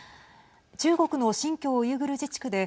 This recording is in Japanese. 中国の新疆ウイグル自治区で